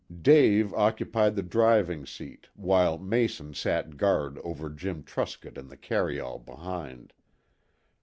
Dave occupied the driving seat while Mason sat guard over Jim Truscott in the carryall behind.